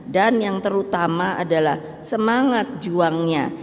dan yang terutama adalah semangat juangnya